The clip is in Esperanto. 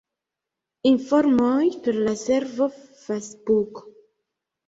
Informoj per la servo Facebook.